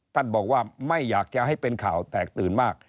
ท่านบอกว่าไม่อยากจะให้เป็นข่าวแตกตื่นมาก